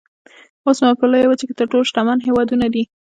اوسمهال په لویه وچه کې تر ټولو شتمن هېوادونه دي.